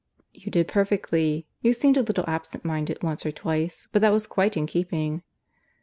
"You did perfectly. You seemed a little absent minded once or twice; but that was quite in keeping."